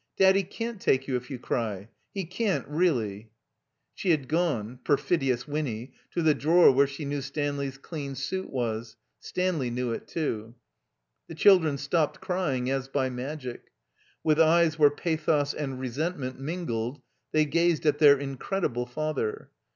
Daddy can't take you if you cry. He can't, really." (She had gone — ^perfidious Winny! — ^to the drawer where she knew Stanley's dean suit was. Stanley knew it too.) The children stopped crying as by magic. 'VWth eyes where pathos and resentment mingled they gazed at their incredible father.